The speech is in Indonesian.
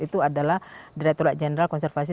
itu adalah direkturat jenderal konservasi